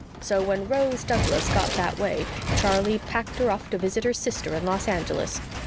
So when Rose Douglas got that way Charley packed her off to visit her sister in Los Angeles.